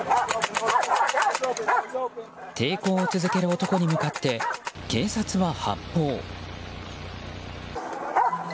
抵抗を続ける男に向かって警察は発砲。